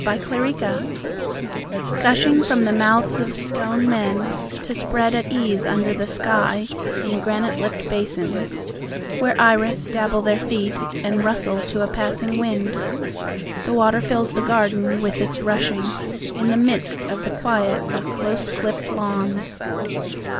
In a Garden Gushing from the mouths of stone men To spread at ease under the sky In granite lipped basins, Where iris dabble their feet And rustle to a passing wind, The water fills the garden with its rushing, In the midst of the quiet of close clipped lawns.